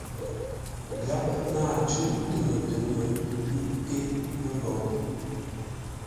Gháp náa ncʉ́ʼ ntʉŋə-tʉŋə́ nté məghou.